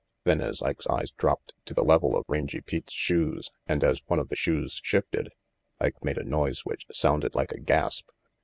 Then, as Ike's eyes dropped to the level of Rangy Pete's shoes, and as one of the shoes shifted, Ike made a noise whioh sounded like a gasp.